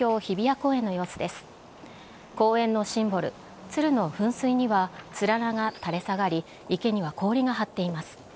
公園のシンボル・鶴の噴水にはつららが垂れ下がり池には氷が張っています。